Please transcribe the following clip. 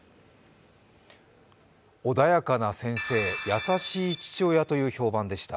穏やかな先生優しい父親という評判でした。